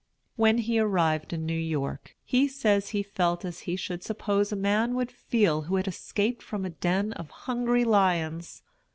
When he arrived in New York, he says he felt as he should suppose a man would feel who had escaped from a den of hungry lions.